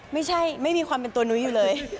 ไม่มีความเป็นตัวนุ้ยอยู่เลย